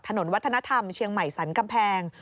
ถนนวัฒนธรรมเชียงใหม่สรรกำแพง